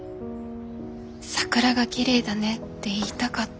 桜がきれいだねって言いたかった。